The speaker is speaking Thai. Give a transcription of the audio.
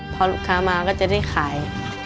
พอลูกค้ามาก็จะได้ขาย